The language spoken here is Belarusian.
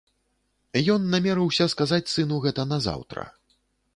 Ён намерыўся сказаць сыну гэта назаўтра.